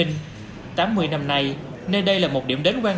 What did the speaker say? tám mươi năm nay nơi đây là một điểm đến quan